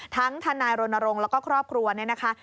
ทั้งท่านนายโรนโรงแล้วก็ครอบครัวนี่นะคะ